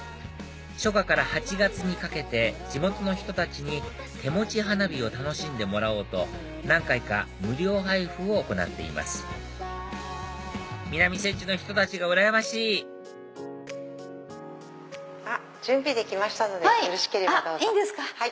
初夏から８月にかけて地元の人たちに手持ち花火を楽しんでもらおうと何回か無料配布を行っています南千住の人たちがうらやましい！準備できましたのでよろしければどうぞ。